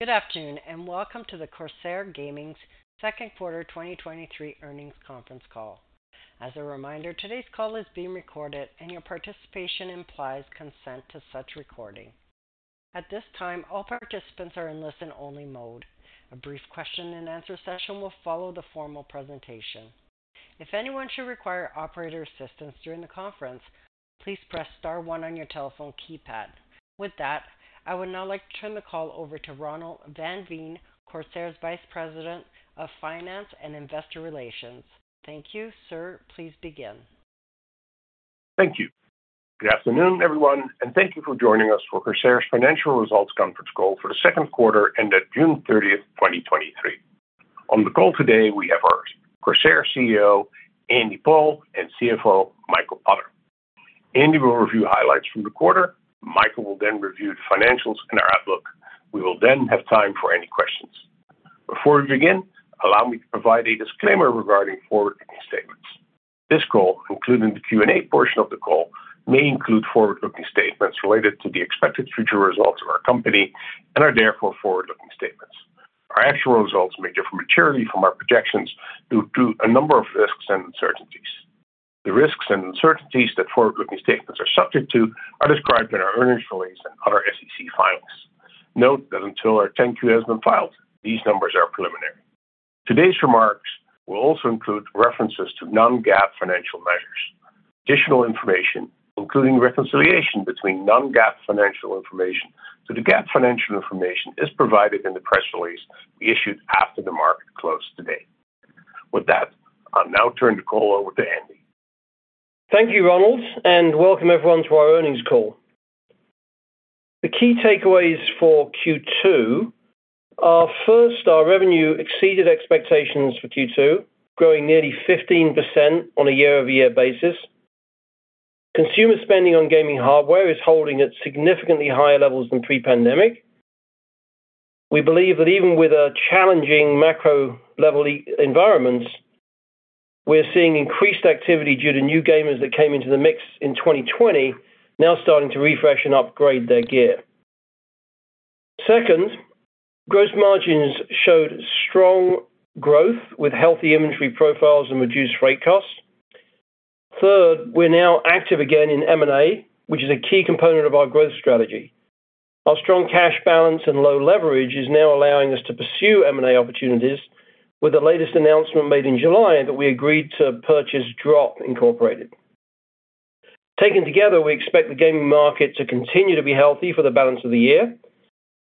Good afternoon, and welcome to the Corsair Gaming's second quarter 2023 earnings conference call. As a reminder, today's call is being recorded and your participation implies consent to such recording. At this time, all participants are in listen-only mode. A brief question and answer session will follow the formal presentation. If anyone should require operator assistance during the conference, please press star one on your telephone keypad. With that, I would now like to turn the call over to Ronald van Veen, Corsair's Vice President of Finance and Investor Relations. Thank you, sir. Please begin. Thank you. Good afternoon, everyone, and thank you for joining us for Corsair's financial results conference call for the second quarter ended June 30th, 2023. On the call today, we have our Corsair CEO, Andy Paul, and CFO, Michael Potter. Andy will review highlights from the quarter. Michael will then review the financials and our outlook. We will then have time for any questions. Before we begin, allow me to provide a disclaimer regarding forward-looking statements. This call, including the Q&A portion of the call, may include forward-looking statements related to the expected future results of our company and are therefore forward-looking statements. Our actual results may differ materially from our projections due to a number of risks and uncertainties. The risks and uncertainties that forward-looking statements are subject to are described in our earnings release and other SEC filings. Note that until our 10-Q has been filed, these numbers are preliminary. Today's remarks will also include references to non-GAAP financial measures. Additional information, including reconciliation between non-GAAP financial information. The GAAP financial information is provided in the press release issued after the market closed today. With that, I'll now turn the call over to Andy. Thank you, Ronald. Welcome everyone to our earnings call. The key takeaways for Q2 are: First, our revenue exceeded expectations for Q2, growing nearly 15% on a year-over-year basis. Consumer spending on gaming hardware is holding at significantly higher levels than pre-pandemic. We believe that even with a challenging macro-level e-environment, we're seeing increased activity due to new gamers that came into the mix in 2020, now starting to refresh and upgrade their gear. Second, gross margins showed strong growth with healthy inventory profiles and reduced freight costs. Third, we're now active again in M&A, which is a key component of our growth strategy. Our strong cash balance and low leverage is now allowing us to pursue M&A opportunities with the latest announcement made in July that we agreed to purchase Drop Incorporated. Taken together, we expect the gaming market to continue to be healthy for the balance of the year,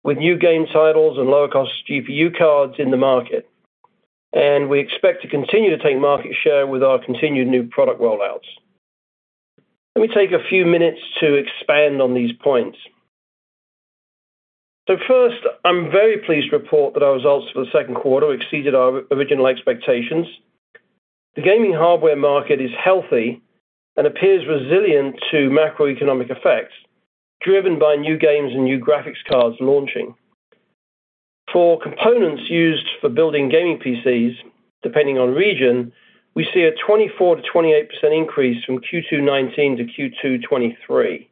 with new game titles and lower-cost GPU cards in the market. We expect to continue to take market share with our continued new product rollouts. Let me take a few minutes to expand on these points. First, I'm very pleased to report that our results for the second quarter exceeded our original expectations. The gaming hardware market is healthy and appears resilient to macroeconomic effects, driven by new games and new graphics cards launching. For components used for building gaming PCs, depending on region, we see a 24%-28% increase from Q2 2019-Q2 2023.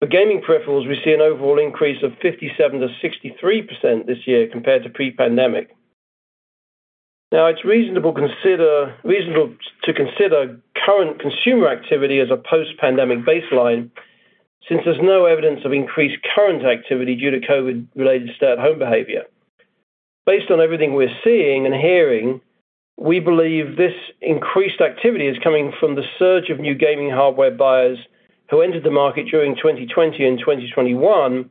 For gaming peripherals, we see an overall increase of 57%-63% this year compared to pre-pandemic. Now, it's reasonable to consider current consumer activity as a post-pandemic baseline, since there's no evidence of increased current activity due to COVID-related stay-at-home behavior. Based on everything we're seeing and hearing, we believe this increased activity is coming from the surge of new gaming hardware buyers who entered the market during 2020 and 2021,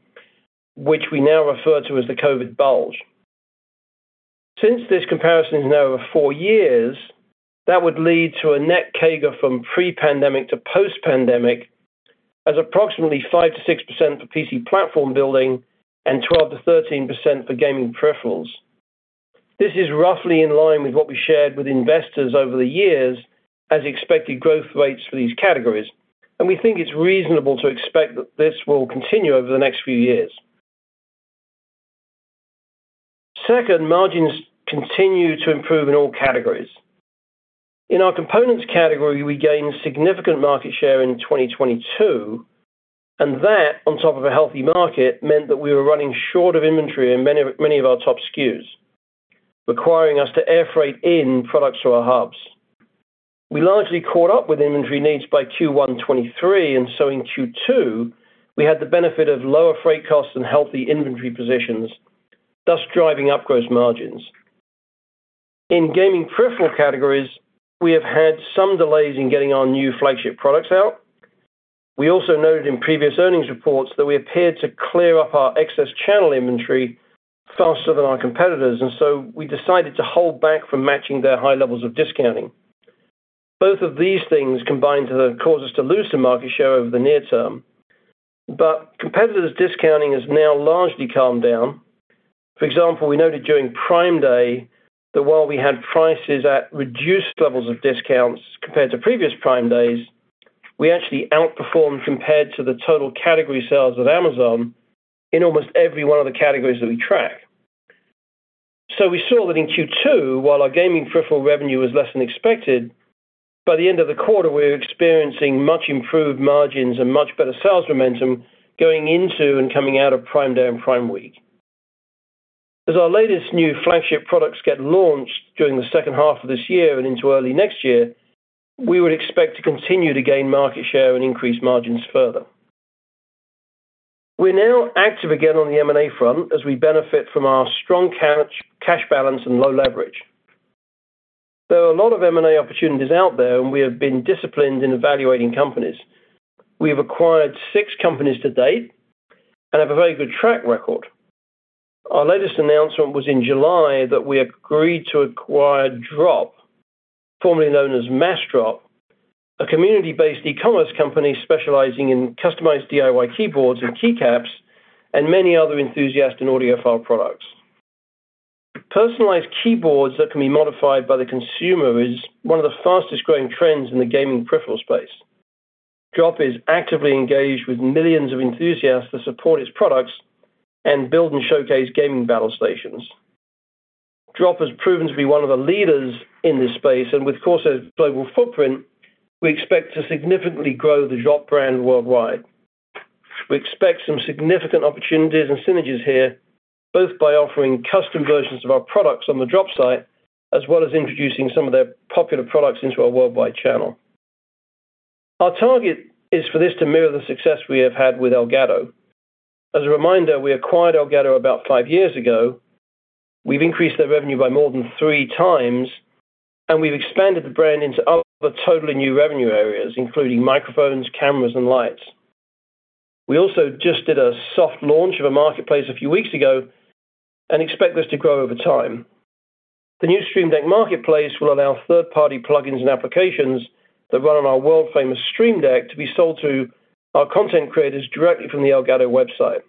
which we now refer to as the COVID bulge. Since this comparison is now over four years, that would lead to a net CAGR from pre-pandemic to post-pandemic as approximately 5%-6% for PC platform building and 12%-13% for gaming peripherals. This is roughly in line with what we shared with investors over the years as expected growth rates for these categories, and we think it's reasonable to expect that this will continue over the next few years. Second, margins continue to improve in all categories. In our components category, we gained significant market share in 2022, that, on top of a healthy market, meant that we were running short of inventory in many, many of our top SKUs, requiring us to air freight in products to our hubs. We largely caught up with inventory needs by Q1 2023, so in Q2, we had the benefit of lower freight costs and healthy inventory positions, thus driving up gross margins. In gaming peripheral categories, we have had some delays in getting our new flagship products out. We also noted in previous earnings reports that we appeared to clear up our excess channel inventory faster than our competitors, so we decided to hold back from matching their high levels of discounting. Both of these things combined to cause us to lose some market share over the near term, but competitors' discounting has now largely calmed down. For example, we noted during Prime Day that while we had prices at reduced levels of discounts compared to previous Prime Days, we actually outperformed compared to the total category sales at Amazon in almost every one of the categories that we track. We saw that in Q2, while our gaming peripheral revenue was less than expected, by the end of the quarter, we were experiencing much improved margins and much better sales momentum going into and coming out of Prime Day and Prime Week. As our latest new flagship products get launched during the second half of this year and into early next year, we would expect to continue to gain market share and increase margins further. We're now active again on the M&A front as we benefit from our strong cash, cash balance and low leverage. There are a lot of M&A opportunities out there, and we have been disciplined in evaluating companies. We have acquired six companies to date and have a very good track record. Our latest announcement was in July that we agreed to acquire Drop, formerly known as Massdrop, a community-based e-commerce company specializing in customized DIY keyboards and keycaps, and many other enthusiast and audiophile products. Personalized keyboards that can be modified by the consumer is one of the fastest-growing trends in the gaming peripheral space. Drop is actively engaged with millions of enthusiasts to support its products and build and showcase gaming battle stations. Drop has proven to be one of the leaders in this space, and with Corsair's global footprint, we expect to significantly grow the Drop brand worldwide. We expect some significant opportunities and synergies here, both by offering custom versions of our products on the Drop site, as well as introducing some of their popular products into our worldwide channel. Our target is for this to mirror the success we have had with Elgato. As a reminder, we acquired Elgato about five years ago. We've increased their revenue by more than 3 times, and we've expanded the brand into other totally new revenue areas, including microphones, cameras, and lights. We also just did a soft launch of a marketplace a few weeks ago and expect this to grow over time. The new Stream Deck marketplace will allow third-party plugins and applications that run on our world-famous Stream Deck to be sold to our content creators directly from the Elgato website.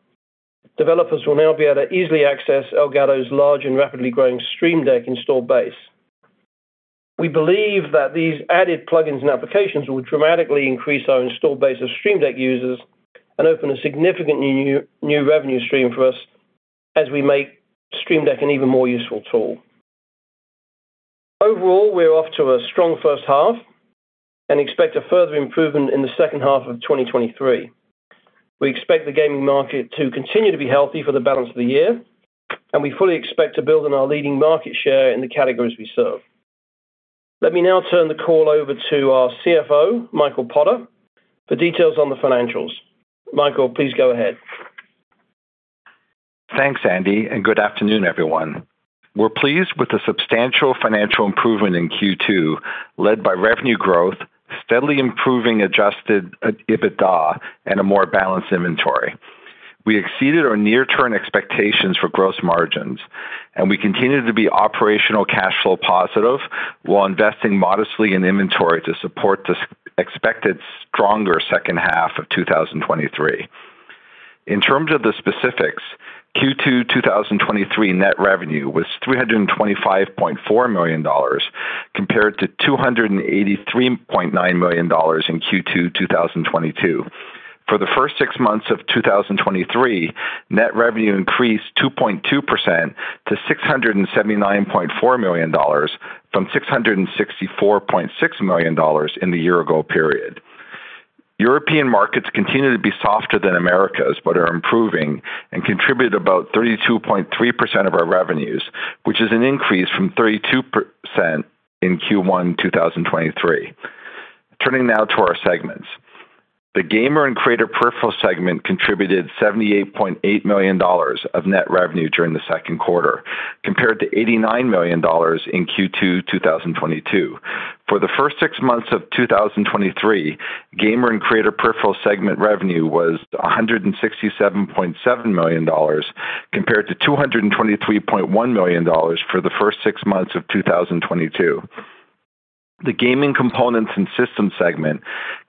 Developers will now be able to easily access Elgato's large and rapidly growing Stream Deck installed base. We believe that these added plugins and applications will dramatically increase our installed base of Stream Deck users and open a significant new, new revenue stream for us as we make Stream Deck an even more useful tool. Overall, we're off to a strong first half and expect a further improvement in the second half of 2023. We expect the gaming market to continue to be healthy for the balance of the year, we fully expect to build on our leading market share in the categories we serve. Let me now turn the call over to our CFO, Michael Potter, for details on the financials. Michael, please go ahead. Thanks, Andy. Good afternoon, everyone. We're pleased with the substantial financial improvement in Q2, led by revenue growth, steadily improving adjusted EBITDA, and a more balanced inventory. We exceeded our near-term expectations for gross margins. We continued to be operational cash flow positive while investing modestly in inventory to support this expected stronger second half of 2023. In terms of the specifics, Q2 2023 net revenue was $325.4 million, compared to $283.9 million in Q2 2022. For the first six months of 2023, net revenue increased 2.2% to $679.4 million, from $664.6 million in the year-ago period. European markets continue to be softer than Americas, but are improving and contributed about 32.3% of our revenues, which is an increase from 32% in Q1 2023. Turning now to our segments. The gamer and creator peripherals segment contributed $78.8 million of net revenue during the second quarter, compared to $89 million in Q2 2022. For the first six months of 2023, gamer and creator peripherals segment revenue was $167.7 million, compared to $223.1 million for the first six months of 2022. The gaming components and systems segment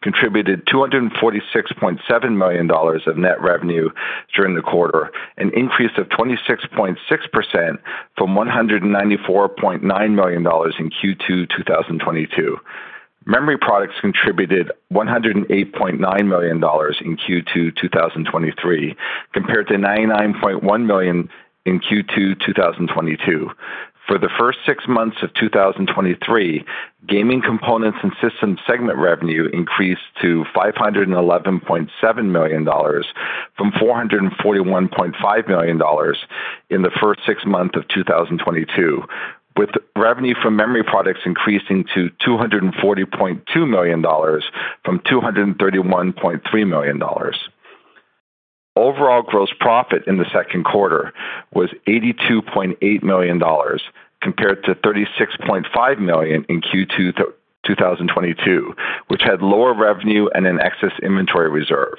contributed $246.7 million of net revenue during the quarter, an increase of 26.6% from $194.9 million in Q2 2022. Memory products contributed $108.9 million in Q2 2023, compared to $99.1 million in Q2 2022. For the first six months of 2023, gaming components and systems segment revenue increased to $511.7 million from $441.5 million in the first six months of 2022, with revenue from memory products increasing to $240.2 million from $231.3 million. Overall gross profit in the second quarter was $82.8 million, compared to $36.5 million in Q2 2022, which had lower revenue and an excess inventory reserve.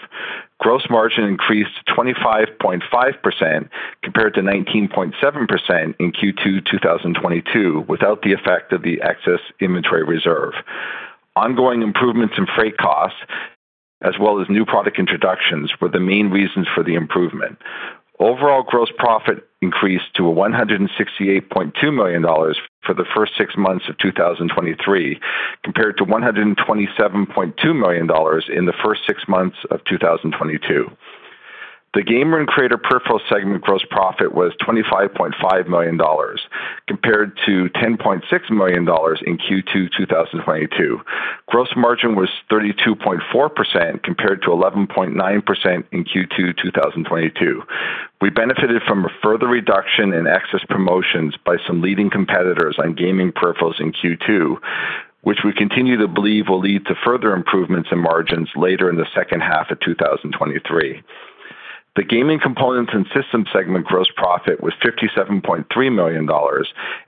Gross margin increased to 25.5%, compared to 19.7% in Q2 2022, without the effect of the excess inventory reserve. Ongoing improvements in freight costs, as well as new product introductions, were the main reasons for the improvement. Overall gross profit increased to $168.2 million for the first six months of 2023, compared to $127.2 million in the first six months of 2022. The gamer and creator peripheral segment gross profit was $25.5 million, compared to $10.6 million in Q2 2022. Gross margin was 32.4%, compared to 11.9% in Q2 2022. We benefited from a further reduction in excess promotions by some leading competitors on gaming peripherals in Q2, which we continue to believe will lead to further improvements in margins later in the second half of 2023. The gaming components and systems segment gross profit was $57.3 million,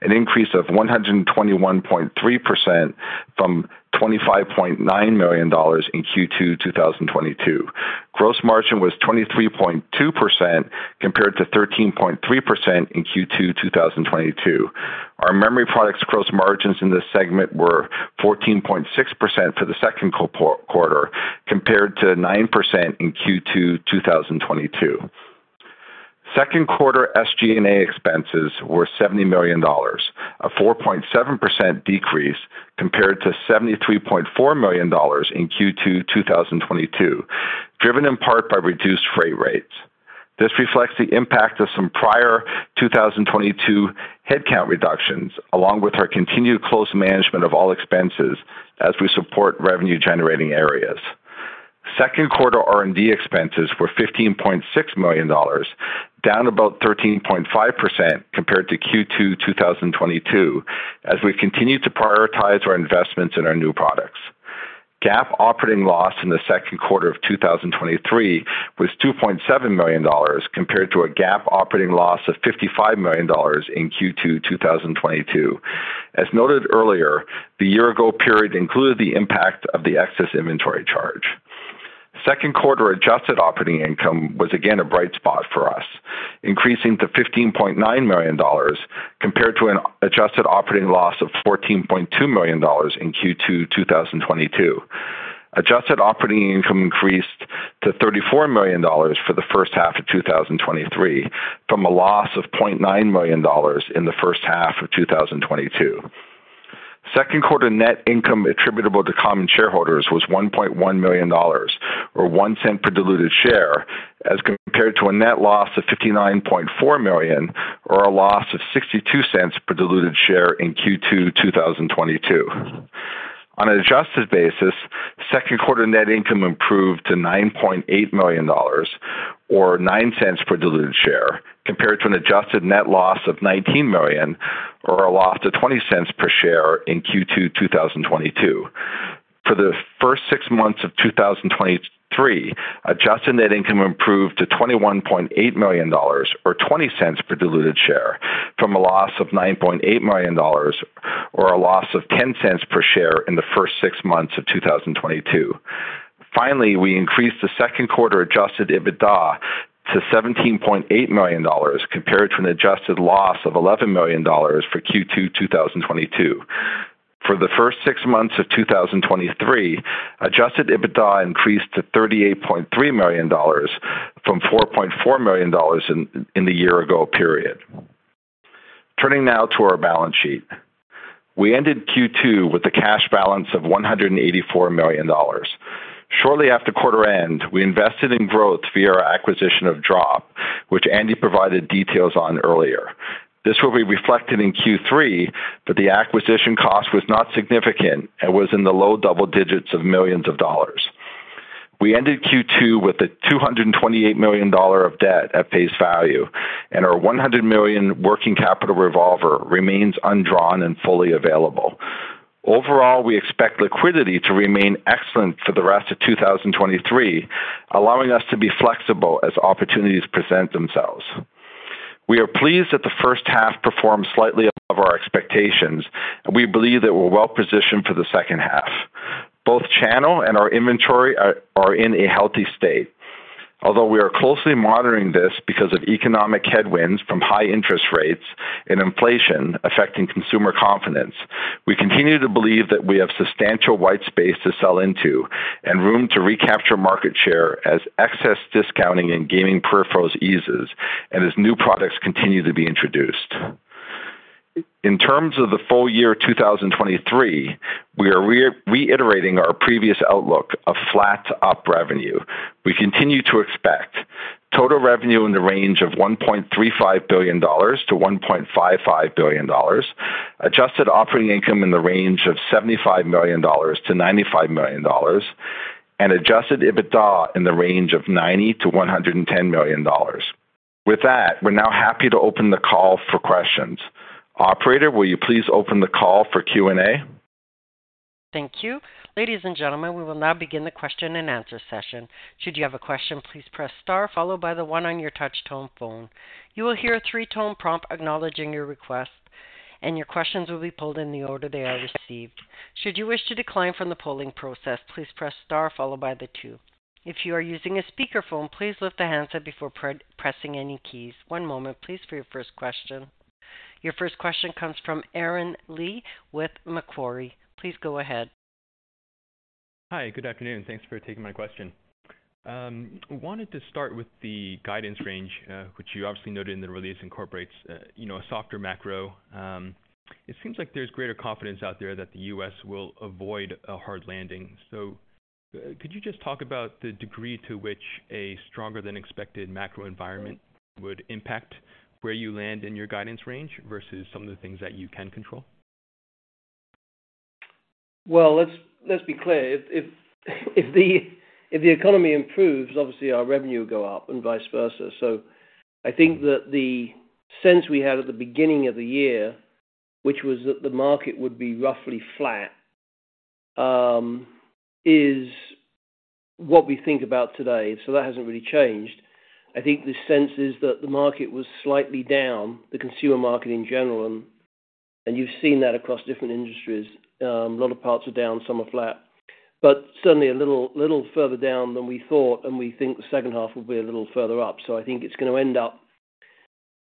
an increase of 121.3% from $25.9 million in Q2 2022. Gross margin was 23.2%, compared to 13.3% in Q2 2022. Our memory products gross margins in this segment were 14.6% for the second quarter, compared to 9% in Q2 2022. Second quarter SG&A expenses were $70 million, a 4.7% decrease compared to $73.4 million in Q2 2022, driven in part by reduced freight rates. This reflects the impact of some prior 2022 headcount reductions, along with our continued close management of all expenses as we support revenue-generating areas. Second quarter R&D expenses were $15.6 million, down about 13.5% compared to Q2 2022, as we've continued to prioritize our investments in our new products. GAAP operating loss in the second quarter of 2023 was $2.7 million, compared to a GAAP operating loss of $55 million in Q2 2022. As noted earlier, the year ago period included the impact of the excess inventory charge. Second quarter adjusted operating income was again a bright spot for us, increasing to $15.9 million, compared to an adjusted operating loss of $14.2 million in Q2 2022. Adjusted operating income increased to $34 million for the first half of 2023, from a loss of $0.9 million in the first half of 2022. Second quarter net income attributable to common shareholders was $1.1 million, or $0.01 per diluted share, as compared to a net loss of $59.4 million, or a loss of $0.62 per diluted share in Q2 2022. On an adjusted basis, second quarter net income improved to $9.8 million, or $0.09 per diluted share, compared to an adjusted net loss of $19 million, or a loss of $0.20 per share in Q2 2022. For the first six months of 2023, adjusted net income improved to $21.8 million or $0.20 per diluted share, from a loss of $9.8 million, or a loss of $0.10 per share in the first six months of 2022. Finally, we increased the second quarter adjusted EBITDA to $17.8 million, compared to an adjusted loss of $11 million for Q2 2022. For the first six months of 2023, adjusted EBITDA increased to $38.3 million from $4.4 million in the year ago period. Turning now to our balance sheet. We ended Q2 with a cash balance of $184 million. Shortly after quarter end, we invested in growth via our acquisition of Drop, which Andy provided details on earlier. This will be reflected in Q3, the acquisition cost was not significant and was in the low double digits of millions of dollars. We ended Q2 with $228 million of debt at face value, and our $100 million working capital revolver remains undrawn and fully available. Overall, we expect liquidity to remain excellent for the rest of 2023, allowing us to be flexible as opportunities present themselves. We are pleased that the first half performed slightly above our expectations, and we believe that we're well positioned for the second half. Both channel and our inventory are in a healthy state. We are closely monitoring this because of economic headwinds from high interest rates and inflation affecting consumer confidence, we continue to believe that we have substantial white space to sell into and room to recapture market share as excess discounting in gaming peripherals eases and as new products continue to be introduced. In terms of the full year 2023, we are reiterating our previous outlook of flat to up revenue. We continue to expect total revenue in the range of $1.35 billion-$1.55 billion, adjusted operating income in the range of $75 million-$95 million, and adjusted EBITDA in the range of $90 million-$110 million. We're now happy to open the call for questions. Operator, will you please open the call for Q&A? Thank you. Ladies and gentlemen, we will now begin the question-and-answer session. Should you have a question, please press star followed by the one on your touch tone phone. You will hear a three-tone prompt acknowledging your request, and your questions will be pulled in the order they are received. Should you wish to decline from the polling process, please press star followed by the two. If you are using a speakerphone, please lift the handset before pressing any keys. One moment, please, for your first question. Your first question comes from Aaron Lee with Macquarie. Please go ahead. Hi, good afternoon. Thanks for taking my question. I wanted to start with the guidance range, which you obviously noted in the release, incorporates, you know, a softer macro. It seems like there's greater confidence out there that the U.S. will avoid a hard landing. Could you just talk about the degree to which a stronger-than-expected macro environment would impact where you land in your guidance range versus some of the things that you can control? Well, let's, let's be clear. If the economy improves, obviously, our revenue will go up and vice versa. I think that the sense we had at the beginning of the year, which was that the market would be roughly flat, is what we think about today, so that hasn't really changed. I think the sense is that the market was slightly down, the consumer market in general, and, and you've seen that across different industries. A lot of parts are down, some are flat. Certainly a little, little further down than we thought, and we think the second half will be a little further up. I think it's gonna end up.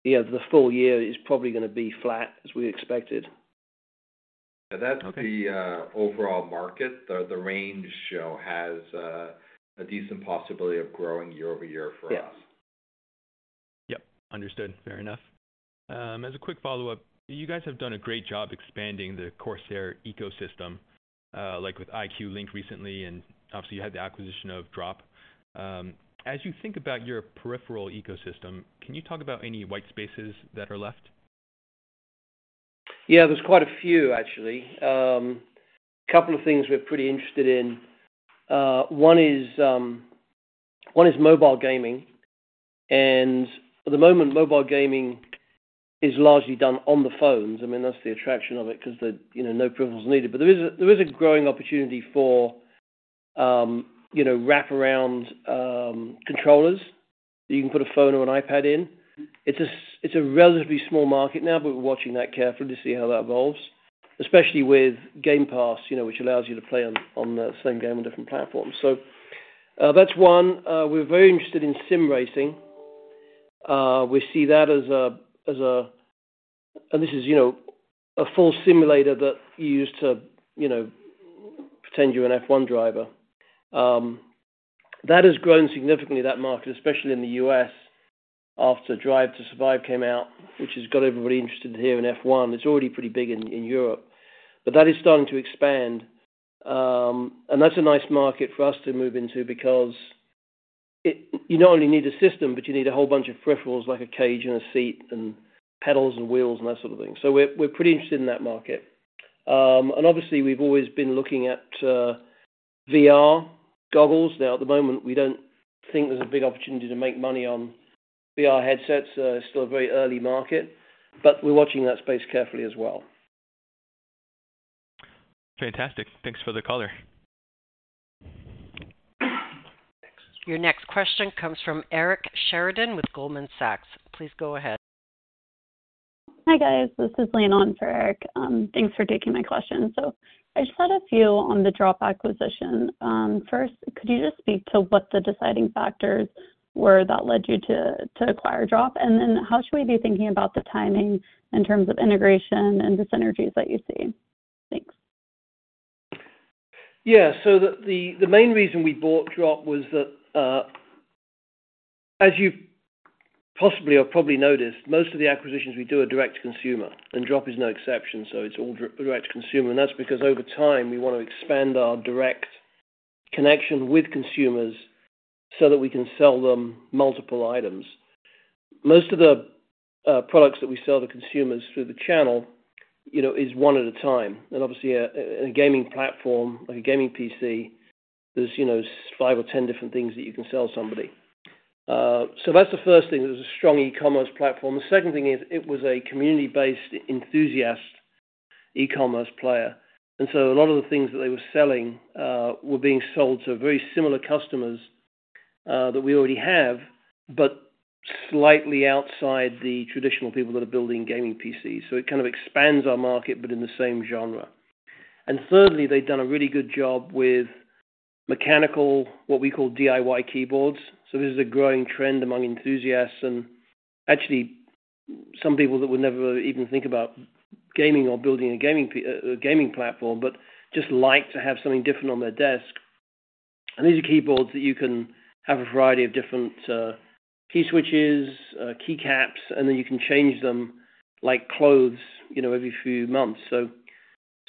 Yeah, the full year is probably gonna be flat, as we expected. That's the overall market. The range show has a decent possibility of growing year-over-year for us. Yes. Yep, understood. Fair enough. As a quick follow-up, you guys have done a great job expanding the Corsair ecosystem, like with iCUE LINK recently, and obviously, you had the acquisition of Drop. As you think about your peripheral ecosystem, can you talk about any white spaces that are left? Yeah, there's quite a few actually. A couple of things we're pretty interested in. One is, one is mobile gaming, and at the moment, mobile gaming is largely done on the phones. I mean, that's the attraction of it 'cause the, you know, no peripherals needed. There is a, there is a growing opportunity for, you know, wraparound controllers that you can put a phone or an iPad in. It's a relatively small market now, but we're watching that carefully to see how that evolves, especially with Game Pass, you know, which allows you to play on, on the same game on different platforms. That's one. We're very interested in sim racing. We see that as a full simulator that you use to, you know, pretend you're an F1 driver. That has grown significantly, that market, especially in the U.S., after Drive to Survive came out, which has got everybody interested here in F1. It's already pretty big in, in Europe, but that is starting to expand. That's a nice market for us to move into because it, you not only need a system, but you need a whole bunch of peripherals, like a cage and a seat and pedals and wheels and that sort of thing. We're, we're pretty interested in that market. Obviously, we've always been looking at VR goggles. Now, at the moment, we don't think there's a big opportunity to make money on VR headsets. It's still a very early market, but we're watching that space carefully as well. Fantastic. Thanks for the color. Your next question comes from Eric Sheridan with Goldman Sachs. Please go ahead. Hi, guys. This is Lena in for Eric. Thanks for taking my question. I just had a few on the Drop acquisition. First, could you just speak to what the deciding factors were that led you to acquire Drop? How should we be thinking about the timing in terms of integration and the synergies that you see? Thanks. Yeah. The main reason we bought Drop was that, as you possibly or probably noticed, most of the acquisitions we do are direct-to-consumer, and Drop is no exception, so it's all direct to consumer. That's because over time, we want to expand our direct connection with consumers so that we can sell them multiple items. Most of the products that we sell to consumers through the channel, you know, is one at a time. Obviously, a, a gaming platform, like a gaming PC, there's, you know, 5 or 10 different things that you can sell somebody. That's the first thing, is a strong e-commerce platform. The second thing is, it was a community-based, enthusiast e-commerce player, and so a lot of the things that they were selling were being sold to very similar customers that we already have, but slightly outside the traditional people that are building gaming PCs. It kind of expands our market, but in the same genre. Thirdly, they've done a really good job with mechanical, what we call DIY keyboards. This is a growing trend among enthusiasts and actually some people that would never even think about gaming or building a gaming platform, but just like to have something different on their desk. These are keyboards that you can have a variety of different key switches, keycaps, and then you can change them like clothes, you know, every few months.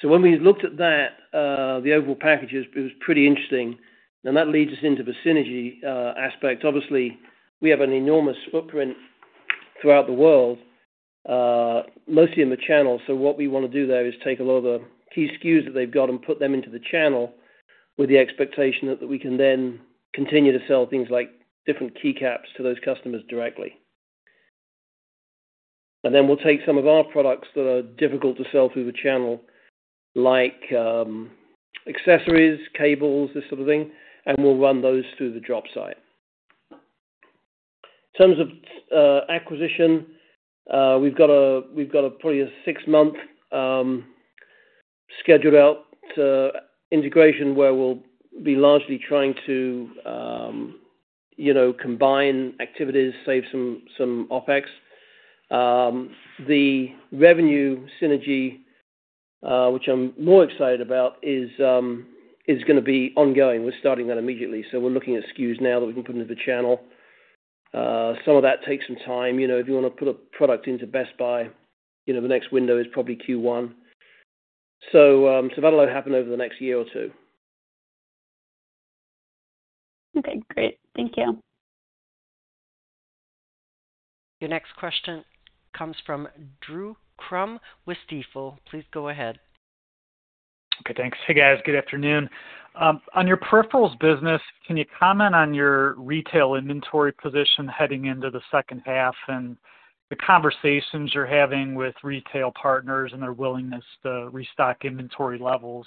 When we looked at that, the overall packages, it was pretty interesting, and that leads us into the synergy aspect. Obviously, we have an enormous footprint throughout the world, mostly in the channel. What we want to do there is take a lot of the key SKUs that they've got and put them into the channel with the expectation that, that we can then continue to sell things like different keycaps to those customers directly. Then we'll take some of our products that are difficult to sell through the channel, like accessories, cables, this sort of thing, and we'll run those through the Drop site. In terms of acquisition, we've got a, we've got a probably a six-month scheduled out integration, where we'll be largely trying to, you know, combine activities, save some, some OpEx. The revenue synergy, which I'm more excited about, is gonna be ongoing. We're starting that immediately, we're looking at SKUs now that we can put into the channel. Some of that takes some time. You know, if you want to put a product into Best Buy, you know, the next window is probably Q1. That'll happen over the next year or two. Okay, great. Thank you. Your next question comes from Drew Crum with Stifel. Please go ahead. Okay, thanks. Hey, guys. Good afternoon. On your peripherals business, can you comment on your retail inventory position heading into the second half and the conversations you're having with retail partners and their willingness to restock inventory levels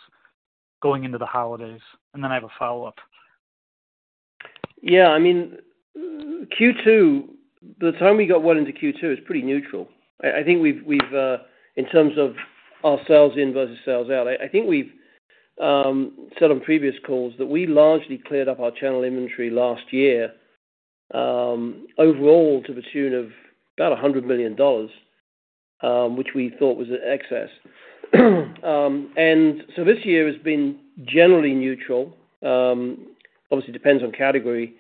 going into the holidays? I have a follow-up. Yeah, I mean, Q2, the time we got well into Q2 is pretty neutral. I think we've, in terms of our sales in versus sales out, I think we've said on previous calls that we largely cleared up our channel inventory last year, overall, to the tune of about $100 million, which we thought was an excess. This year has been generally neutral. Obviously, depends on category,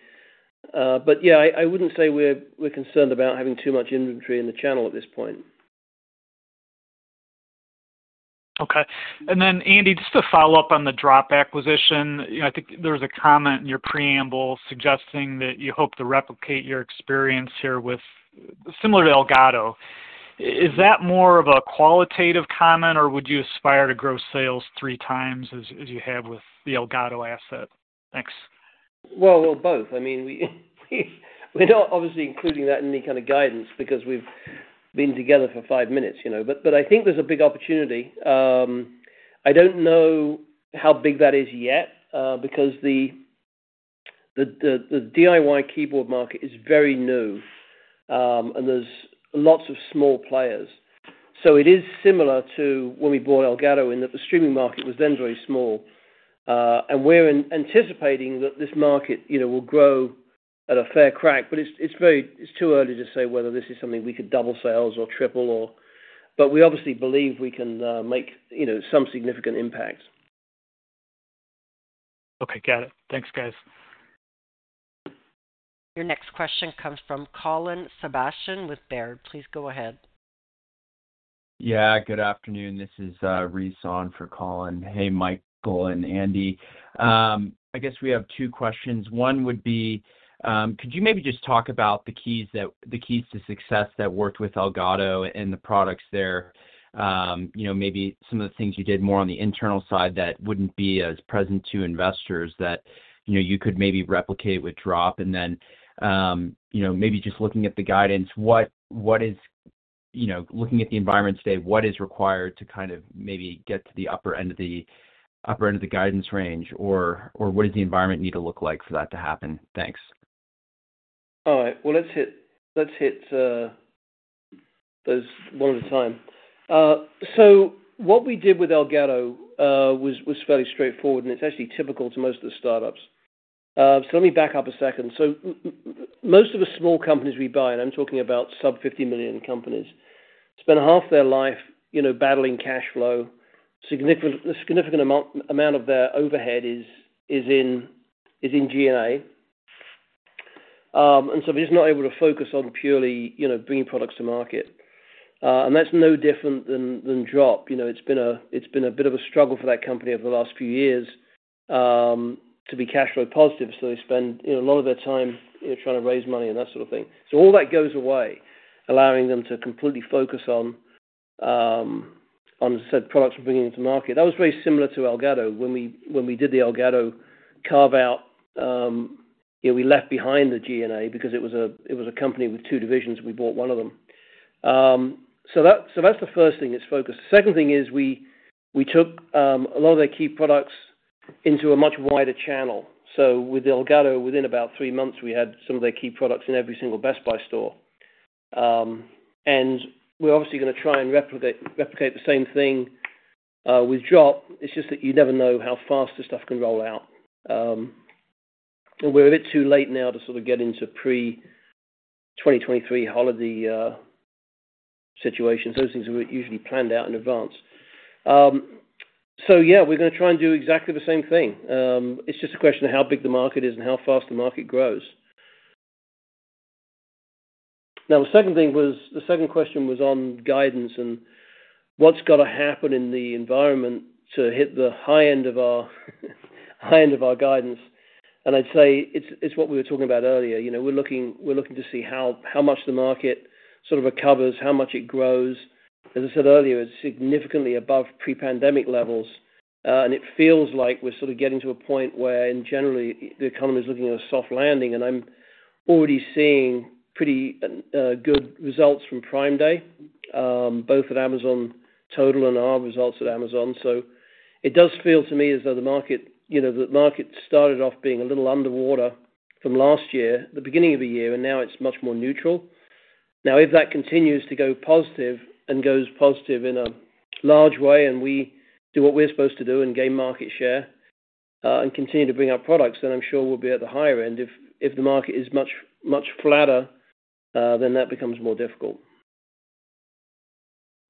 but, yeah, I wouldn't say we're concerned about having too much inventory in the channel at this point. Okay. Andy, just to follow up on the Drop acquisition, you know, I think there was a comment in your preamble suggesting that you hope to replicate your experience here with similar to Elgato. Is that more of a qualitative comment, or would you aspire to grow sales three times as, as you have with the Elgato asset? Thanks. Well, well, both. I mean, we we're not obviously including that in any kind of guidance because we've been together for 5 minutes, you know? But I think there's a big opportunity. I don't know how big that is yet, because the, the, the DIY keyboard market is very new, and there's lots of small players. It is similar to when we bought Elgato, and that the streaming market was then very small. And we're anticipating that this market, you know, will grow at a fair crack, but it's, it's very. It's too early to say whether this is something we could double sales or triple or... We obviously believe we can, make, you know, some significant impact. Okay, got it. Thanks, guys. Your next question comes from Colin Sebastian with Baird. Please go ahead. Yeah, good afternoon. This is Reese on for Colin. Hey, Michael and Andy. I guess we have two questions. One would be, could you maybe just talk about the keys that-- the keys to success that worked with Elgato and the products there? You know, maybe some of the things you did more on the internal side that wouldn't be as present to investors that, you know, you could maybe replicate with Drop. Then, you know, maybe just looking at the guidance, what is, you know, looking at the environment today, what is required to kind of maybe get to the upper end of the, upper end of the guidance range? What does the environment need to look like for that to happen? Thanks. All right. Well, let's hit those one at a time. What we did with Elgato was fairly straightforward, and it's actually typical to most of the startups. Let me back up a second. Most of the small companies we buy, and I'm talking about sub-50 million companies, spend half their life, you know, battling cash flow. Significant, a significant amount, amount of their overhead is in G&A. We're just not able to focus on purely, you know, bringing products to market. That's no different than Drop. You know, it's been a bit of a struggle for that company over the last few years to be cash flow positive. They spend, you know, a lot of their time, you know, trying to raise money and that sort of thing. All that goes away, allowing them to completely focus on, on said products we're bringing into market. That was very similar to Elgato. When we, when we did the Elgato carve out, you know, we left behind the G&A because it was a, it was a company with two divisions, we bought one of them. That, so that's the first thing, is focus. The second thing is we took a lot of their key products into a much wider channel. With Elgato, within about three months, we had some of their key products in every single Best Buy store. We're obviously gonna try and replicate, replicate the same thing, with Drop. It's just that you never know how fast this stuff can roll out. We're a bit too late now to sort of get into pre-2023 holiday situations. Those things are usually planned out in advance. Yeah, we're gonna try and do exactly the same thing. It's just a question of how big the market is and how fast the market grows. The second question was on guidance and what's gotta happen in the environment to hit the high end of our, high end of our guidance. I'd say it's what we were talking about earlier. You know, we're looking, we're looking to see how, how much the market sort of recovers, how much it grows. As I said earlier, it's significantly above pre-pandemic levels, and it feels like we're sort of getting to a point where in generally, the economy is looking at a soft landing, and I'm already seeing pretty good results from Prime Day, both at Amazon total and our results at Amazon. It does feel to me as though the market, you know, the market started off being a little underwater from last year, the beginning of the year, and now it's much more neutral. If that continues to go positive and goes positive in a large way, and we do what we're supposed to do and gain market share, and continue to bring our products, then I'm sure we'll be at the higher end. If the market is much flatter, then that becomes more difficult.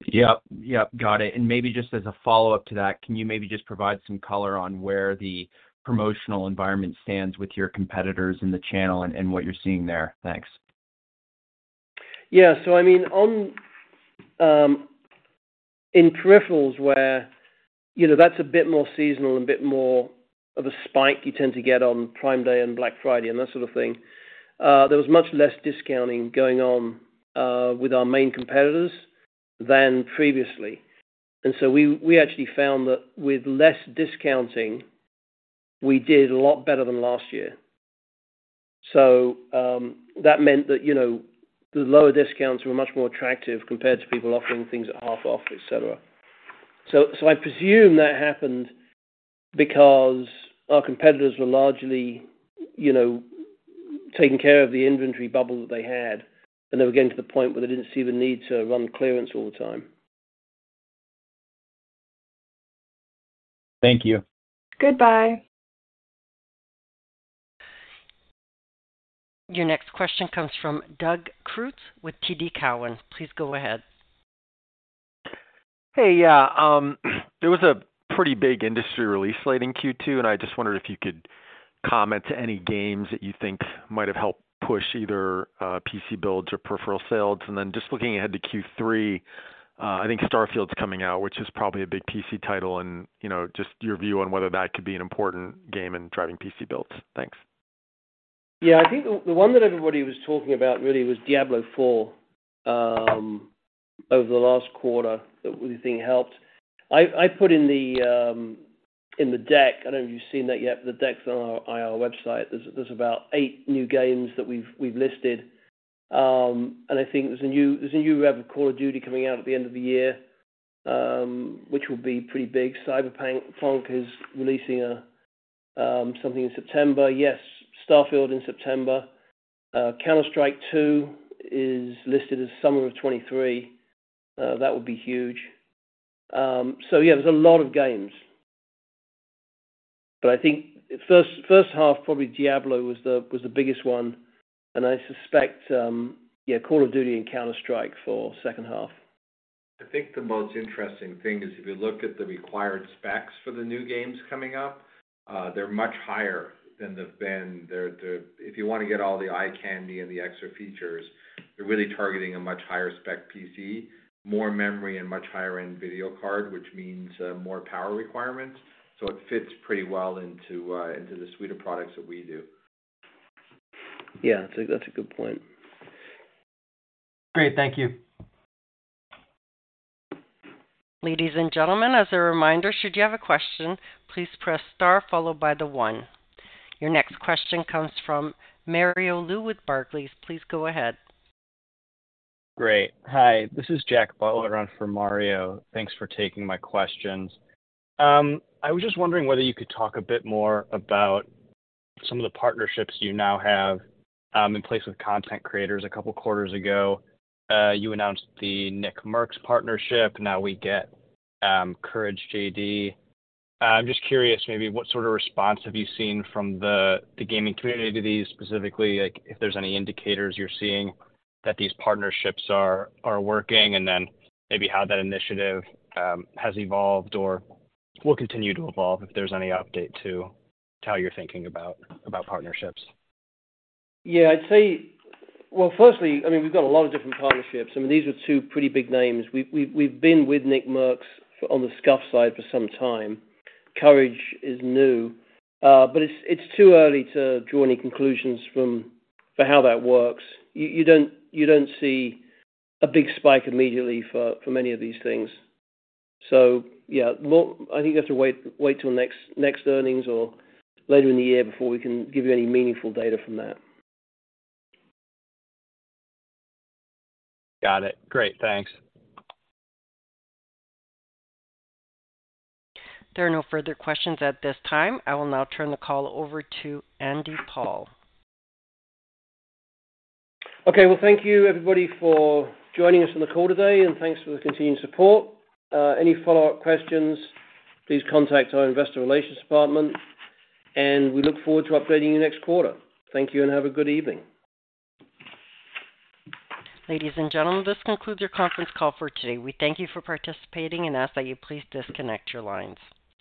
Yep, yep, got it. Maybe just as a follow-up to that, can you maybe just provide some color on where the promotional environment stands with your competitors in the channel and, and what you're seeing there? Thanks. Yeah. I mean on, in peripherals where, you know, that's a bit more seasonal and a bit more of a spike you tend to get on Prime Day and Black Friday and that sort of thing, there was much less discounting going on with our main competitors than previously. We, we actually found that with less discounting, we did a lot better than last year. That meant that, you know, the lower discounts were much more attractive compared to people offering things at half off, etc. I presume that happened because our competitors were largely, you know, taking care of the inventory bubble that they had, and they were getting to the point where they didn't see the need to run clearance all the time. Thank you. Your next question comes from Doug Creutz with TD Cowen. Please go ahead. Hey, yeah, there was a pretty big industry release late in Q2, and I just wondered if you could comment to any games that you think might have helped push either PC builds or peripheral sales. Then just looking ahead to Q3, I think Starfield is coming out, which is probably a big PC title, and, you know, just your view on whether that could be an important game in driving PC builds. Thanks. Yeah, I think the, the one that everybody was talking about really was Diablo IV over the last quarter, that we think helped. I put in the in the deck, I don't know if you've seen that yet, but the deck's on our IR website. There's, there's about 8 new games that we've, we've listed. I think there's a new, there's a new Call of Duty coming out at the end of the year, which will be pretty big. Cyberpunk is releasing something in September. Yes, Starfield in September. Counter-Strike 2 is listed as summer of 2023. That would be huge. Yeah, there's a lot of games. I think first, first half, probably Diablo was the, was the biggest one, and I suspect, yeah, Call of Duty and Counter-Strike for second half. I think the most interesting thing is if you look at the required specs for the new games coming up, they're much higher than they've been. If you want to get all the eye candy and the extra features, you're really targeting a much higher spec PC, more memory and much higher-end video card, which means more power requirements. It fits pretty well into, into the suite of products that we do. Yeah, that's a good point. Great. Thank you. Ladies and gentlemen, as a reminder, should you have a question, please press star followed by the one. Your next question comes from Mario Lu with Barclays. Please go ahead. Great. Hi, this is Jack Butler in for Mario. Thanks for taking my questions. I was just wondering whether you could talk a bit more about some of the partnerships you now have in place with content creators. A couple of quarters ago, you announced the NICKMERCS partnership. Now we get CouRageJD. I'm just curious, maybe what sort of response have you seen from the, the gaming community to these, specifically, like if there's any indicators you're seeing that these partnerships are, are working, and then maybe how that initiative has evolved or will continue to evolve, if there's any update to how you're thinking about, about partnerships? Yeah, I'd say... Well, firstly, I mean, we've got a lot of different partnerships. I mean, these are two pretty big names. We've been with NICKMERCS on the SCUF side for some time. Courage is new, but it's too early to draw any conclusions for how that works. You don't see a big spike immediately for many of these things. Yeah, look, I think you have to wait till next earnings or later in the year before we can give you any meaningful data from that. Got it. Great. Thanks. There are no further questions at this time. I will now turn the call over to Andy Paul. Okay, well, thank you, everybody, for joining us on the call today, and thanks for the continued support. Any follow-up questions, please contact our investor relations department, and we look forward to updating you next quarter. Thank you and have a good evening. Ladies and gentlemen, this concludes your conference call for today. We thank you for participating and ask that you please disconnect your lines.